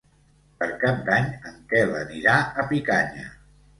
Per Cap d'Any en Quel anirà a Picanya.